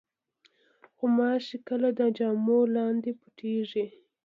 غوماشې کله د جامو لاندې پټېږي.